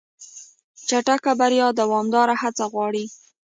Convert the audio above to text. چټک بریا دوامداره هڅه غواړي.